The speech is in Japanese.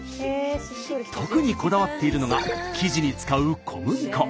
特にこだわっているのが生地に使う小麦粉。